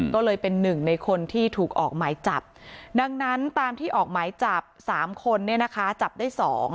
ก็เลยเป็นหนึ่งในคนที่ถูกออกหมายจับดังนั้นตามที่ออกหมายจับ๓คนเนี่ยนะคะจับได้๒